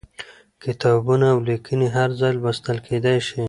کتابونه او ليکنې هر ځای لوستل کېدای شي.